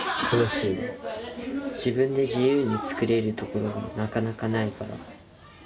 自分で自由に作れるところがなかなかないから。